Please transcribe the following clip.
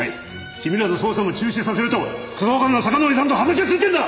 君らの捜査も中止させると副総監の坂之上さんと話はついてるんだ！